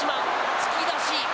突き出し。